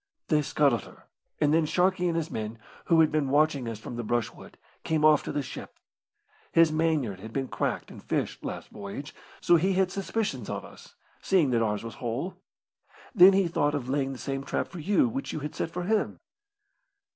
"They scuttled her, and then Sharkey and his men, who had been watching us from the brushwood, came off to the ship. His mainyard had been cracked and fished last voyage, so he had suspicions of us, seeing that ours was whole. Then he thought of laying the same trap for you which you had set for him."